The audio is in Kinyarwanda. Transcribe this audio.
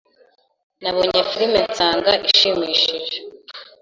Nabonye film nsanga ishimishije.